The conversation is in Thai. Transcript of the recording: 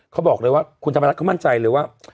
เขาบอกเลยว่าคุณธรรมรัฐเขามั่นใจเลยว่า